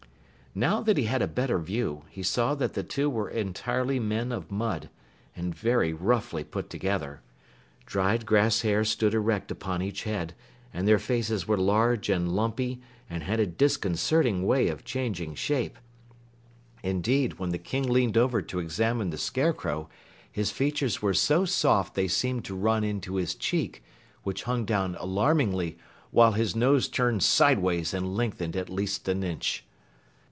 Now that he had a better view, he saw that the two were entirely men of mud, and very roughly put together. Dried grass hair stood erect upon each head, and their faces were large and lumpy and had a disconcerting way of changing shape. Indeed, when the King leaned over to examine the Scarecrow, his features were so soft they seemed to run into his cheek, which hung down alarmingly, while his nose turned sideways and lengthened at least an inch!